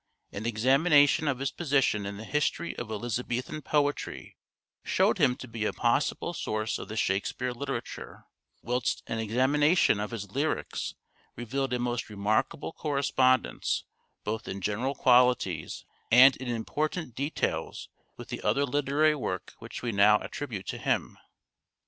An examination of his position in the history of Elizabethan poetry showed him to be a possible source of the Shakespeare literature, whilst an examination of his lyrics revealed a most remarkable correspondence both in general qualities and in impor tant details with the other literary work which we now attribute to him.